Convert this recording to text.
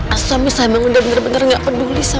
asalnya samih saya mah bener bener nggak peduli saya